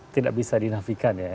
tidak bisa dinafikan ya